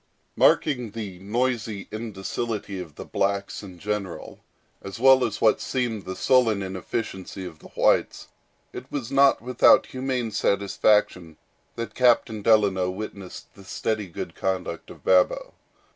Marking the noisy indocility of the blacks in general, as well as what seemed the sullen inefficiency of the whites it was not without humane satisfaction that Captain Delano witnessed the steady good conduct of Babo.